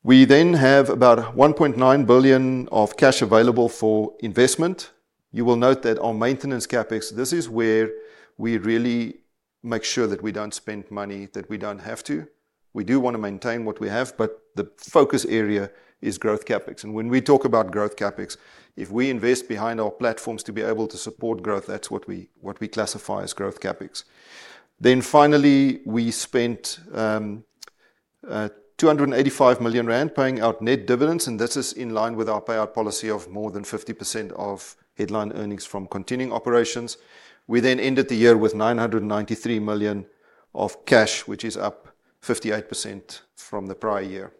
We then have about 1.9 billion of cash available for investment. You will note that on maintenance CapEx, this is where we really make sure that we do not spend money that we do not have to. We do want to maintain what we have, but the focus area is growth CapEx. When we talk about growth CapEx, if we invest behind our platforms to be able to support growth, that is what we classify as growth CapEx. Finally, we spent 285 million rand paying out net dividends. This is in line with our payout policy of more than 50% of headline earnings from continuing operations. We ended the year with 993 million of cash, which is up 58% from the prior year.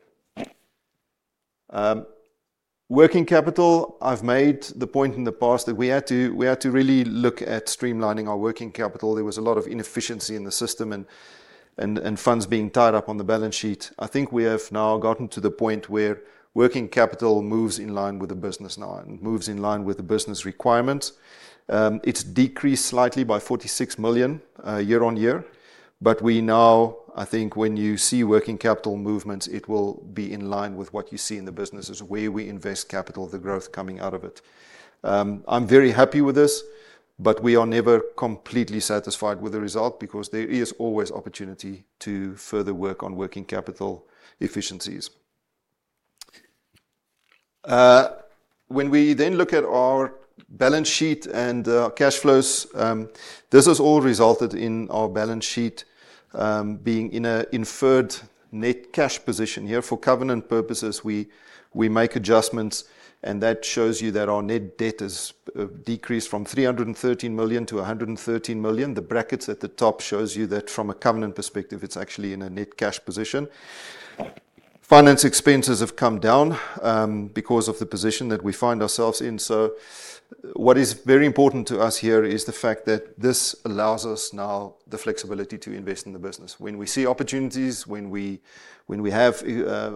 Working capital, I've made the point in the past that we had to really look at streamlining our working capital. There was a lot of inefficiency in the system and funds being tied up on the balance sheet. I think we have now gotten to the point where working capital moves in line with the business now and moves in line with the business requirements. It's decreased slightly by 46 million year on year. We now, I think when you see working capital movements, it will be in line with what you see in the businesses, where we invest capital, the growth coming out of it. I'm very happy with this, but we are never completely satisfied with the result because there is always opportunity to further work on working capital efficiencies. When we then look at our balance sheet and cash flows, this has all resulted in our balance sheet being in an inferred net cash position here. For covenant purposes, we make adjustments. That shows you that our net debt has decreased from 313 million to 113 million. The brackets at the top show you that from a covenant perspective, it's actually in a net cash position. Finance expenses have come down because of the position that we find ourselves in. What is very important to us here is the fact that this allows us now the flexibility to invest in the business. When we see opportunities, when we have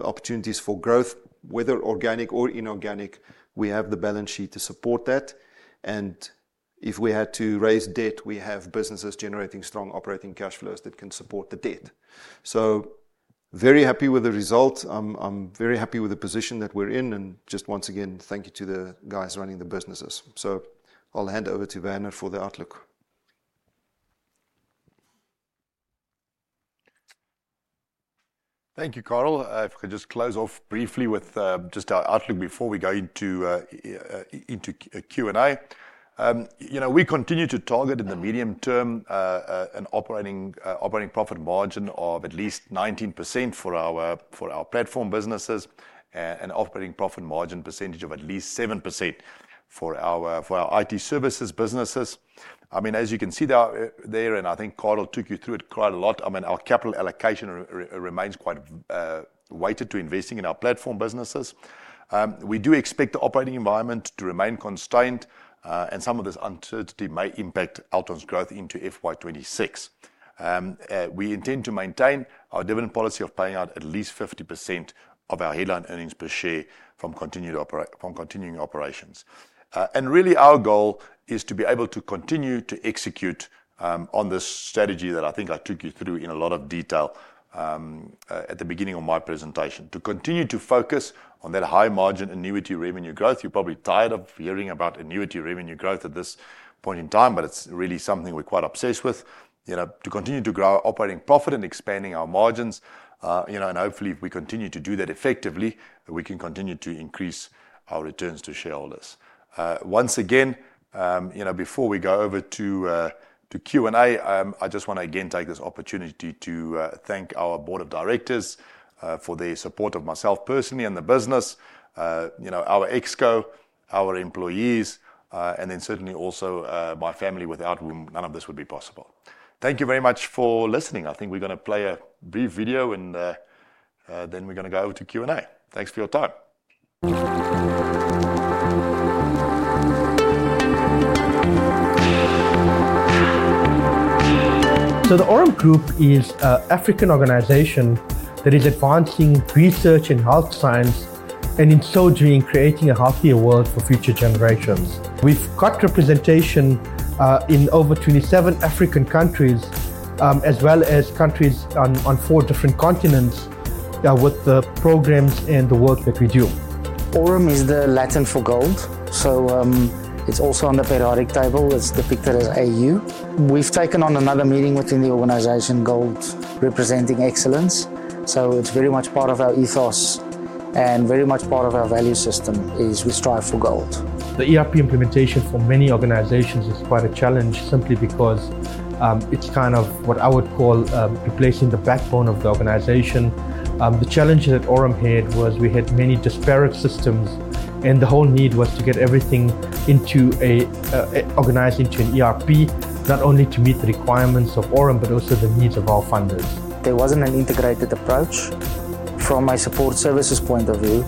opportunities for growth, whether organic or inorganic, we have the balance sheet to support that. If we had to raise debt, we have businesses generating strong operating cash flows that can support the debt. Very happy with the result. I'm very happy with the position that we're in. Just once again, thank you to the guys running the businesses. I'll hand over to Werner for the outlook. Thank you, Carel. If I could just close off briefly with just our outlook before we go into Q&A. We continue to target in the medium term an operating profit margin of at least 19% for our platform businesses and an operating profit margin percentage of at least 7% for our IT services businesses. I mean, as you can see there, and I think Carel took you through it quite a lot, I mean, our capital allocation remains quite weighted to investing in our platform businesses. We do expect the operating environment to remain constrained, and some of this uncertainty may impact Altron's growth into FY2026. We intend to maintain our dividend policy of paying out at least 50% of our headline earnings per share from continuing operations. Really, our goal is to be able to continue to execute on this strategy that I think I took you through in a lot of detail at the beginning of my presentation. To continue to focus on that high margin annuity revenue growth. You're probably tired of hearing about annuity revenue growth at this point in time, but it's really something we're quite obsessed with. To continue to grow operating profit and expanding our margins. Hopefully, if we continue to do that effectively, we can continue to increase our returns to shareholders. Once again, before we go over to Q&A, I just want to again take this opportunity to thank our board of directors for their support of myself personally and the business, our exco, our employees, and then certainly also my family without whom none of this would be possible. Thank you very much for listening. I think we're going to play a brief video, and then we're going to go over to Q&A. Thanks for your time. The AURUM Group is an African organization that is advancing research in health science and in surgery in creating a healthier world for future generations. We've got representation in over 27 African countries, as well as countries on four different continents with the programs and the work that we do. AURUM is the Latin for gold. It is also on the periodic table. It is depicted as AU. We've taken on another meaning within the organization, gold representing excellence. It is very much part of our ethos and very much part of our value system as we strive for gold. The ERP implementation for many organizations is quite a challenge simply because it is kind of what I would call replacing the backbone of the organization. The challenge that AURUM had was we had many disparate systems, and the whole need was to get everything organized into an ERP, not only to meet the requirements of AURUM, but also the needs of our funders. There was not an integrated approach from my support services point of view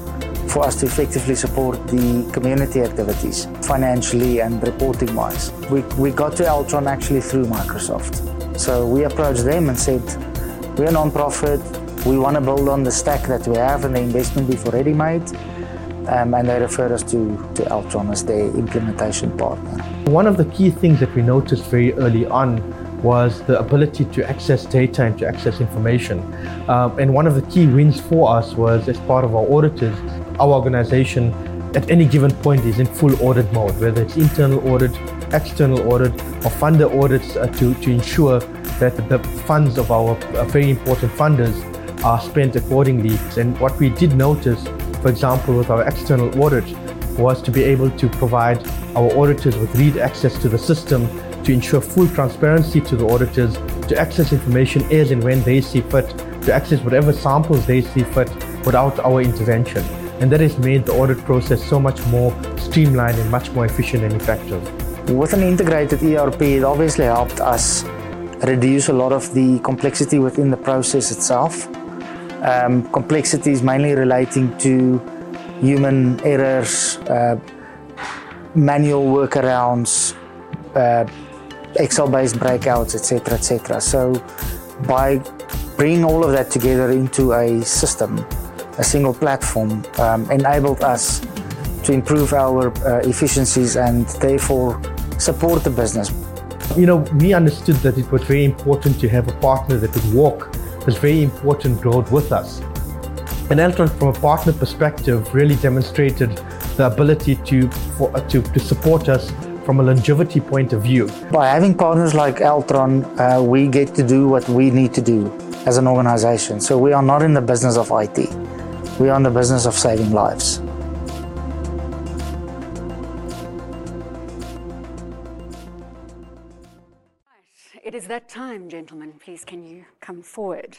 for us to effectively support the community activities financially and reporting-wise. We got to Altron actually through Microsoft. We approached them and said, "We're a nonprofit. We want to build on the stack that we have and the investment we've already made." They referred us to Altron as their implementation partner. One of the key things that we noticed very early on was the ability to access data and to access information. One of the key wins for us was as part of our auditors, our organization at any given point is in full audit mode, whether it is internal audit, external audit, or funder audits to ensure that the funds of our very important funders are spent accordingly. What we did notice, for example, with our external audit was to be able to provide our auditors with read access to the system to ensure full transparency to the auditors to access information as and when they see fit, to access whatever samples they see fit without our intervention. That has made the audit process so much more streamlined and much more efficient and effective. With an integrated ERP, it obviously helped us reduce a lot of the complexity within the process itself. Complexity is mainly relating to human errors, manual workarounds, Excel-based breakouts, etc., etc. By bringing all of that together into a system, a single platform, enabled us to improve our efficiencies and therefore support the business. We understood that it was very important to have a partner that could walk this very important road with us. Altron, from a partner perspective, really demonstrated the ability to support us from a longevity point of view. By having partners like Altron, we get to do what we need to do as an organization. We are not in the business of IT. We are in the business of saving lives. It is that time, gentlemen. Please, can you come forward?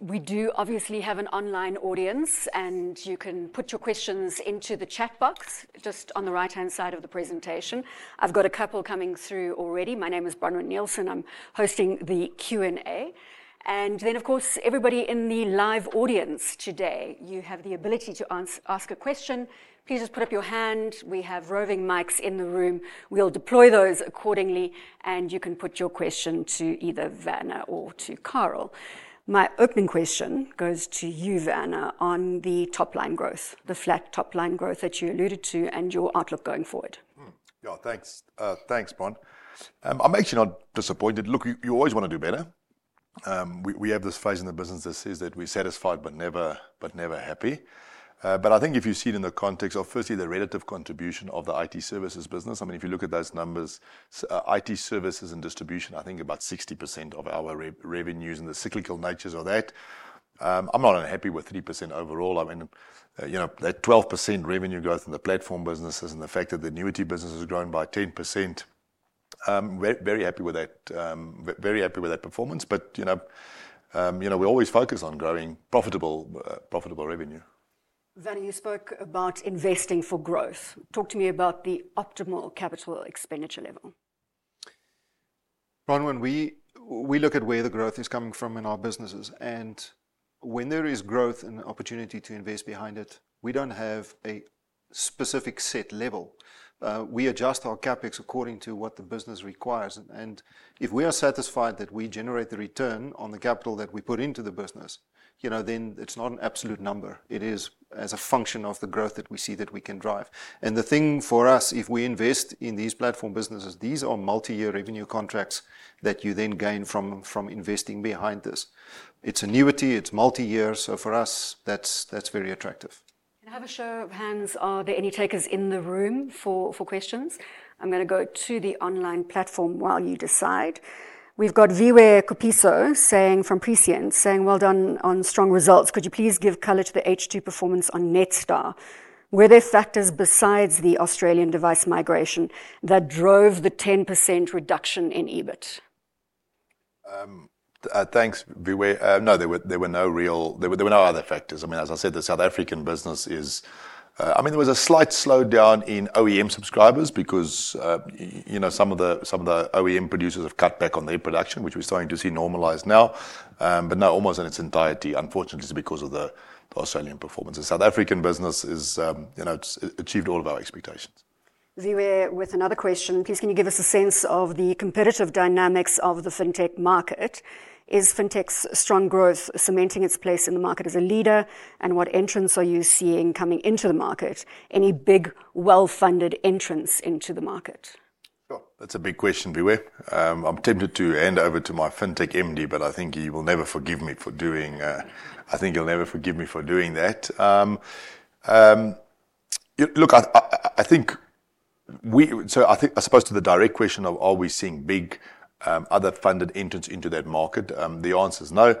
We do obviously have an online audience, and you can put your questions into the chat box just on the right-hand side of the presentation. I've got a couple coming through already. My name is Bronwyn Nielsen. I'm hosting the Q&A. Of course, everybody in the live audience today, you have the ability to ask a question. Please just put up your hand. We have roving mics in the room. We will deploy those accordingly, and you can put your question to either Werner or to Carl. My opening question goes to you, Werner, on the top-line growth, the flat top-line growth that you alluded to and your outlook going forward. Yeah, thanks. Thanks, Bronwyn. I am actually not disappointed. Look, you always want to do better. We have this phase in the business that says that we are satisfied but never happy. I think if you see it in the context of, firstly, the relative contribution of the IT services business, I mean, if you look at those numbers, IT services and distribution, I think about 60% of our revenues and the cyclical natures of that. I'm not unhappy with 3% overall. I mean, that 12% revenue growth in the platform businesses and the fact that the annuity business has grown by 10%, very happy with that, very happy with that performance. We always focus on growing profitable revenue. Werner, you spoke about investing for growth. Talk to me about the optimal capital expenditure level. Bronwyn, we look at where the growth is coming from in our businesses. When there is growth and opportunity to invest behind it, we do not have a specific set level. We adjust our CapEx according to what the business requires. If we are satisfied that we generate the return on the capital that we put into the business, then it is not an absolute number. It is as a function of the growth that we see that we can drive. The thing for us, if we invest in these platform businesses, these are multi-year revenue contracts that you then gain from investing behind this. It is annuity. It is multi-year. For us, that is very attractive. In a hurry of show of hands, are there any takers in the room for questions? I am going to go to the online platform while you decide. We have got Viewer Copiso from Precient saying, "Well done on strong results. Could you please give color to the H2 performance on Netstar? Were there factors besides the Australian device migration that drove the 10% reduction in EBIT?" Thanks, Viewer. No, there were no real, there were no other factors. I mean, as I said, the South African business is, I mean, there was a slight slowdown in OEM subscribers because some of the OEM producers have cut back on their production, which we are starting to see normalize now. Not almost in its entirety, unfortunately, because of the Australian performance. The South African business has achieved all of our expectations. Viewer with another question. Please, can you give us a sense of the competitive dynamics of the fintech market? Is FinTech's strong growth cementing its place in the market as a leader? What entrants are you seeing coming into the market? Any big well-funded entrants into the market? Sure. That's a big question, Viewer. I'm tempted to hand over to my FinTech MD, but I think he will never forgive me for doing that. Look, I think as opposed to the direct question of, are we seeing big other funded entrants into that market? The answer is no.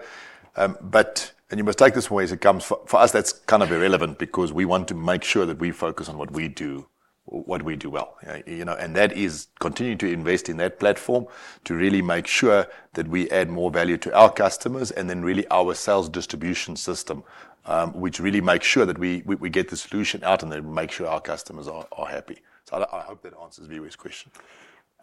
You must take this the way as it comes, for us, that's kind of irrelevant because we want to make sure that we focus on what we do, what we do well. That is continue to invest in that platform to really make sure that we add more value to our customers and then really our sales distribution system, which really makes sure that we get the solution out and then make sure our customers are happy. I hope that answers Viewer's question.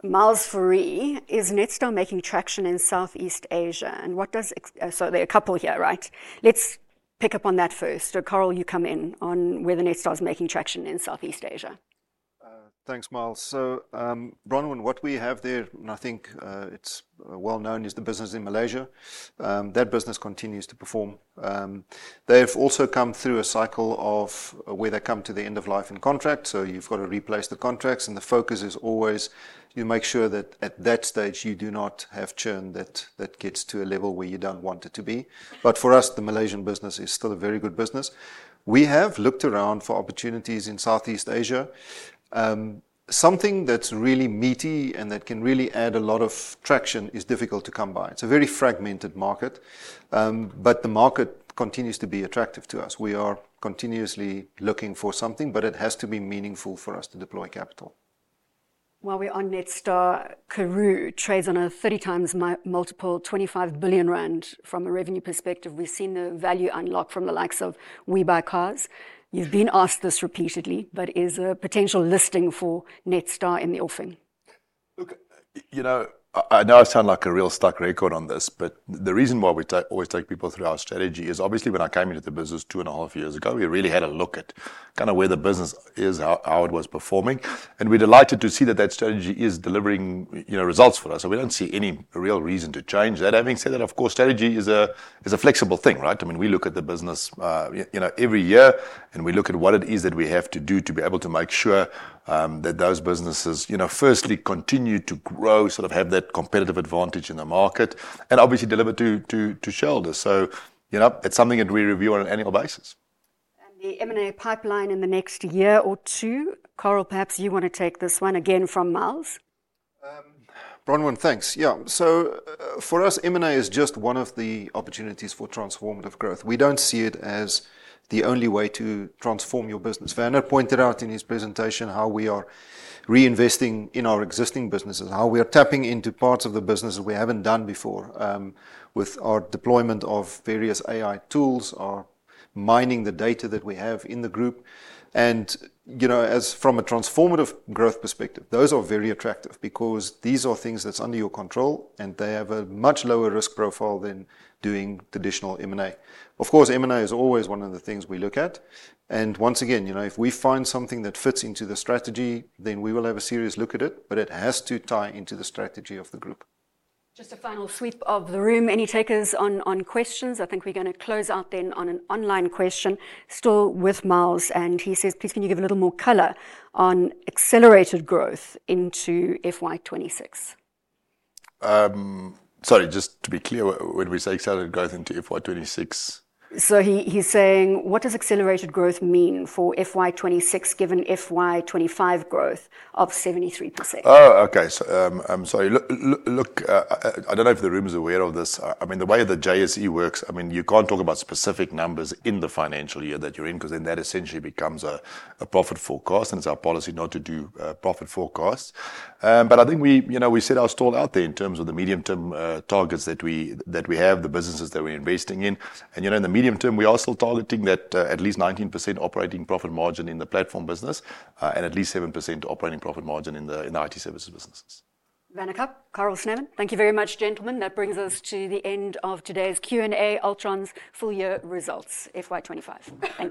Miles Ferree, is Netstar making traction in Southeast Asia. There are a couple here, right? Let's pick up on that first. Carel, you come in on where the Netstar is making traction in Southeast Asia. Thanks, Miles. Bronwyn, what we have there, and I think it's well known, is the business in Malaysia. That business continues to perform. They've also come through a cycle of where they come to the end of life in contract. You have to replace the contracts. The focus is always you make sure that at that stage, you do not have churn that gets to a level where you don't want it to be. For us, the Malaysian business is still a very good business. We have looked around for opportunities in Southeast Asia. Something that's really meaty and that can really add a lot of traction is difficult to come by. It's a very fragmented market. The market continues to be attractive to us. We are continuously looking for something, but it has to be meaningful for us to deploy capital. While we're on Netstar, Karoo trades on a 30 times multiple, 25 billion rand. From a revenue perspective, we've seen the value unlock from the likes of We Buy Cars. You've been asked this repeatedly, but is a potential listing for Netstar in the offing? Look, I know I sound like a real stuck record on this, but the reason why we always take people through our strategy is obviously when I came into the business two and a half years ago, we really had a look at kind of where the business is, how it was performing. We are delighted to see that that strategy is delivering results for us. We do not see any real reason to change that. Having said that, of course, strategy is a flexible thing, right? I mean, we look at the business every year, and we look at what it is that we have to do to be able to make sure that those businesses, firstly, continue to grow, sort of have that competitive advantage in the market, and obviously deliver to shareholders. It is something that we review on an annual basis. The M&A pipeline in the next year or two. Carl, perhaps you want to take this one again from Miles. Bronwyn, thanks. Yeah. For us, M&A is just one of the opportunities for transformative growth. We do not see it as the only way to transform your business. Werner pointed out in his presentation how we are reinvesting in our existing businesses, how we are tapping into parts of the business that we haven't done before with our deployment of various AI tools, our mining the data that we have in the group. From a transformative growth perspective, those are very attractive because these are things that's under your control, and they have a much lower risk profile than doing traditional M&A. Of course, M&A is always one of the things we look at. Once again, if we find something that fits into the strategy, then we will have a serious look at it, but it has to tie into the strategy of the group. Just a final sweep of the room. Any takers on questions? I think we're going to close out then on an online question, still with Miles. He says, "Please, can you give a little more color on accelerated growth into FY26? " Sorry, just to be clear, when we say accelerated growth into FY26? He is saying, "What does accelerated growth mean for FY26 given FY25 growth of 73%?" Oh, okay. I'm sorry. Look, I don't know if the room is aware of this. I mean, the way the JSE works, you can't talk about specific numbers in the financial year that you're in because then that essentially becomes a profit forecast. It is our policy not to do profit forecasts. I think we set our stall out there in terms of the medium-term targets that we have, the businesses that we're investing in. In the medium term, we are still targeting that at least 19% operating profit margin in the platform business and at least 7% operating profit margin in the IT services businesses. Werner Kapp, Carl Snellman, thank you very much, gentlemen. That brings us to the end of today's Q&A, Altron's full year results, FY25. Thank you.